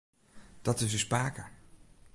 Dat is ús pake.